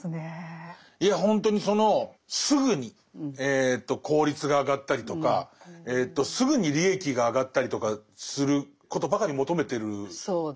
いやほんとにそのすぐに効率が上がったりとかすぐに利益が上がったりとかすることばかり求めてるじゃないですか。